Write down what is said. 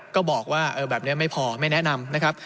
ก็บอกว่าแบบนี้ไม่พอไม่แนะนำนะครับ